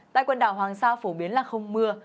tại quần đảo hoàng sa phổ biến là không mưa